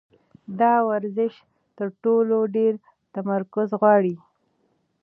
دا ورزش تر ټولو ډېر تمرکز غواړي.